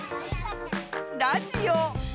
ラジオ。